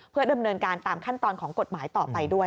เพื่อดำเนินการตามขั้นตอนของกฎหมายต่อไปด้วย